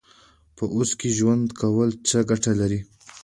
په اوس کې ژوند کول څه ګټه لري؟